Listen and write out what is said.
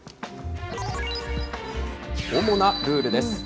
主なルールです。